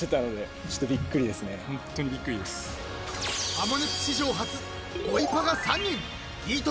［『ハモネプ』史上初ボイパが３人］